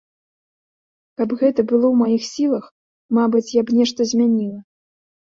Каб гэта было ў маіх сілах, мабыць, я б нешта змяніла.